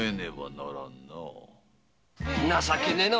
情けねえな。